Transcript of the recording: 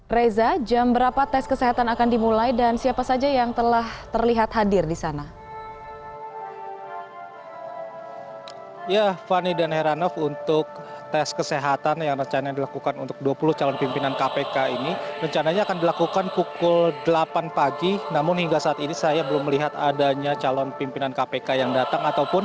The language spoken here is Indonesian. reza jam berapa tes kesehatan akan dimulai dan siapa saja yang telah terlihat hadir di sana